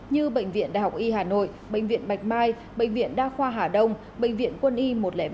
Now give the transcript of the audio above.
như bệnh viện đại học y hà nội bệnh viện bạch mai bệnh viện đa khoa hà đông bệnh viện quân y một trăm linh ba